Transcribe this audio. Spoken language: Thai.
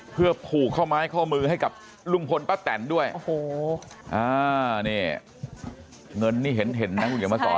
เพื่อผูกข้อไม้ข้อมือให้กับลุงพลป้าแตนด้วยโอ้โหอ่านี่เงินนี่เห็นเห็นนะคุณเขียนมาสอน